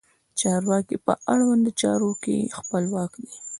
چارواکي په اړونده چارو کې خپلواک دي.